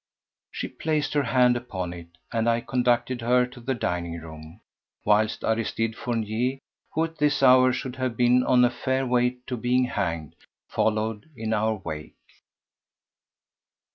She placed her hand upon it, and I conducted her to the dining room, whilst Aristide Fournier, who at this hour should have been on a fair way to being hanged, followed in our wake.